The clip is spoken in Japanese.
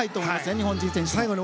日本人選手の。